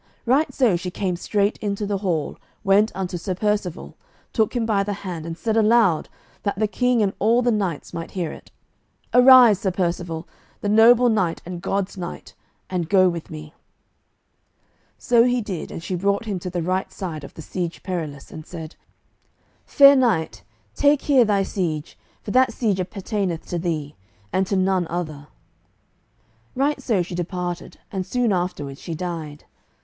Right so she came straight into the hall, went unto Sir Percivale, took him by the hand, and said aloud, that the King and all the knights might hear it, "Arise, Sir Percivale, the noble knight and God's knight, and go with me." So he did, and she brought him to the right side of the Siege Perilous, and said, "Fair knight, take here thy siege, for that siege appertaineth to thee, and to none other." Right so she departed, and soon afterward she died.